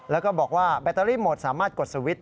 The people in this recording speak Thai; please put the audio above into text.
แล้วก็บอกว่าแบตเตอรี่หมดสามารถกดสวิตช